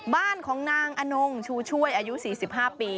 บ้านของนางอนงชูช่วยอายุ๔๕ปี